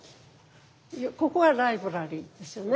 ここがライブラリーですよね。